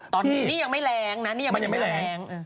ตอนนี้ยังไม่แรงนะ